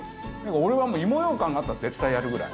俺はもういもようかんがあったら絶対やるぐらい。